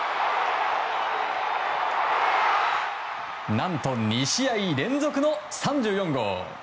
何と２試合連続の３４号。